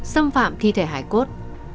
xâm phạm thi thể hải cốt